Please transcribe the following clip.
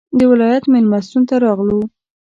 د ولایت مېلمستون ته راغلو.